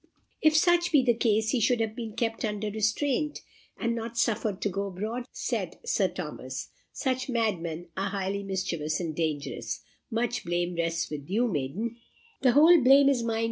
"If such be the case, he should have been kept under restraint, and not suffered to go abroad," said Sir Thomas. "Such madmen are highly mischievous and dangerous. Much blame rests with you, maiden." "The whole blame is mine!"